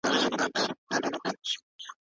امربالمعروف نجونې له کوره وتلو څخه منع کړي دي.